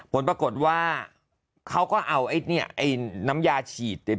ผลปรากฏว่าเขาก็เอาไอ้เนี่ยไอ้น้ำยาฉีดเนี่ย